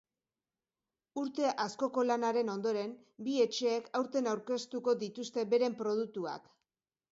Urte askoko lanaren ondoren, bi etxeek aurten aurkeztuko dituzte beren produktuak.